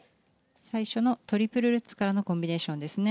最初のトリプルルッツからのコンビネーションですね。